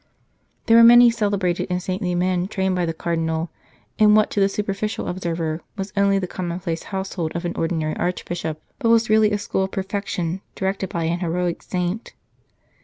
There were many celebrated and saintly men trained by the Cardinal in what to the superficial observer was only the commonplace household of an ordinary Archbishop, but was really a school of perfection directed by an heroic saint.